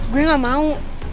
gue gak mau